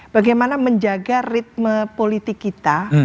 bagaimana menjaga ritme politik kita